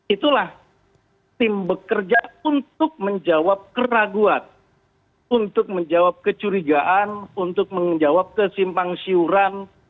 itulah tim bekerja untuk menjawab keraguan untuk menjawab kecurigaan untuk menjawab kesimpang siuran